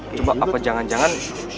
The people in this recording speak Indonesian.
coba apa jangan jangan